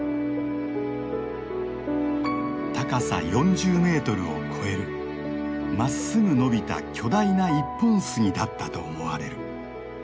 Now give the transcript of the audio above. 高さ４０メートルを超えるまっすぐ伸びた巨大な一本杉だったと思われる。